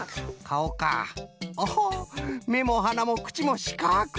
おほめもはなもくちもしかく。